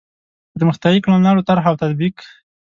پرمختیایي کړنلارو طرح او تطبیق.